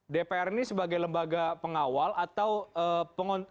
dpr ini sebagai lembaga pengawal atau